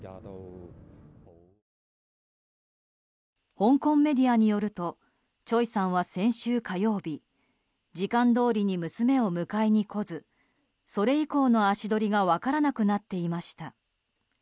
香港メディアによるとチョイさんは先週火曜日時間どおりに娘を迎えに来ずそれ以降の足取りが分からなくなっていました。